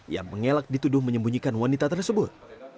yang mengelak dituduh menyembunyikan wanita tersebut